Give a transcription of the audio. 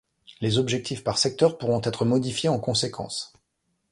Les objectifs par secteur pourront être modifiés en conséquence.